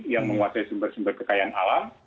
yang menguasai sumber sumber kekayaan alam